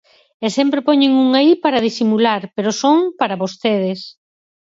E sempre poñen un aí para disimular, pero son para vostedes.